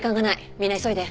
みんな急いで。